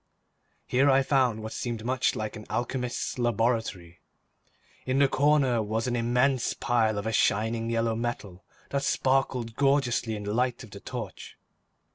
Here I found what seemed much like an alchemist's laboratory. In one corner was an immense pile of a shining yellow metal that sparkled gorgeously in the light of the torch.